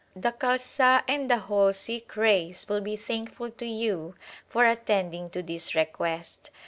The Khalsa and the whole Sikh race will be thankful to you for attending to this request.